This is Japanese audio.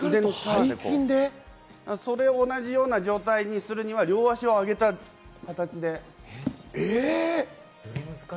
それと同じ状態にするには両足を上げた状態で。